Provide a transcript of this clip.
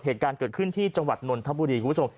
เหตุการณ์เกิดขึ้นที่จังหวัดนนทบุรีคุณผู้ชม